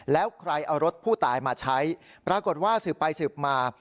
แล้วใครเอารถผู้ตายมาใช้ปรากฏว่าสืบไปสืบมา